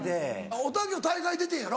おたけも大会出てんやろ？